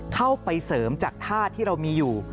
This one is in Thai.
เข้าไปเสริมจากท่าที่เรามีอยู่